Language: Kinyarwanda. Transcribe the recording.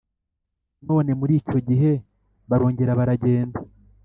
Nanone muri icyo gihe barongera baragenda